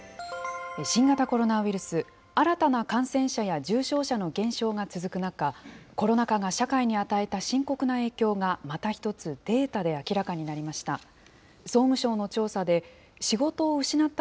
新型コロナウイルス、新たな感染者や重症者の減少が続く中、コロナ禍が社会に与えた深刻な影響が、また一つ、データで明らかになりました。